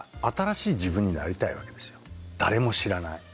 誰も知らない。